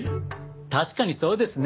確かにそうですね。